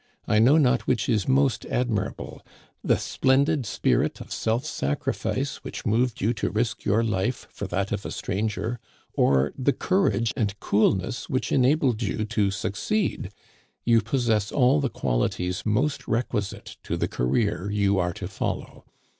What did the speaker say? I know not which is most admirable, the splen did spirit of self sacrifice which moved you to risk your life for that of a stranger, or the courage and coolness which enabled you to succeed. You possess all the qualities most requisite to the career you are to follow.